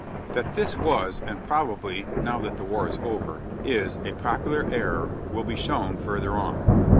That this was, and probably (now that the war is over) is, a popular error will be shown further on.